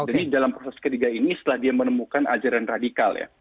jadi dalam proses ketiga ini setelah dia menemukan ajaran radikal